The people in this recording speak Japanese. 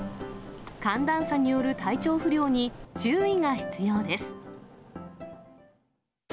寒暖差による体調不良に注意が必要です。